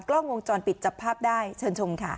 กล้องวงจรปิดจับภาพได้เชิญชมค่ะ